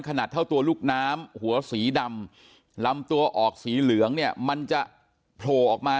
ขนาดเท่าตัวลูกน้ำหัวสีดำลำตัวออกสีเหลืองเนี่ยมันจะโผล่ออกมา